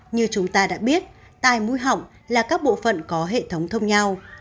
như chúng ta đã biết tai mũi họng là các bộ phận có hệ thống thông nhau